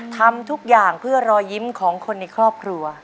ทำทุกอย่างเพื่อรอยยิ้มของคนในครอบครัว